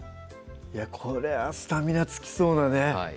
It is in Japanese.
これはスタミナつきそうなね